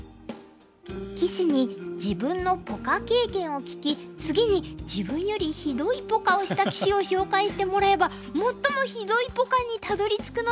棋士に自分のポカ経験を聞き次に自分よりひどいポカをした棋士を紹介してもらえば最もひどいポカにたどりつくのではないかという企画です。